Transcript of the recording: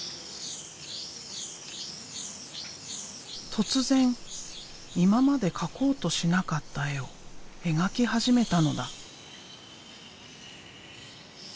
突然今まで描こうとしなかった絵を描き始めたのだ。